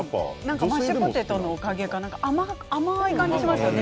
マッシュポテトのおかげか甘い感じがしますよね